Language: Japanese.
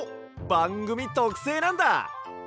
ばんぐみとくせいなんだ！